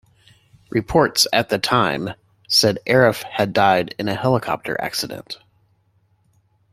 Reports at the time said Arif had died in a helicopter accident.